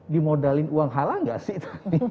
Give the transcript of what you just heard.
dimodalin uang halal gak sih